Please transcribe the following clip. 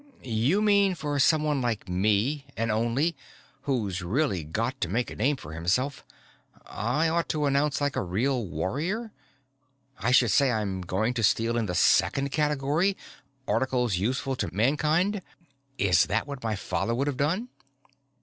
"You mean, for someone like me an Only, who's really got to make a name for himself I ought to announce like a real warrior? I should say I'm going to steal in the second category Articles Useful to Mankind. Is that what my father would have done?"